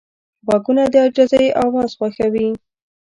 غوږونه د عاجزۍ اواز خوښوي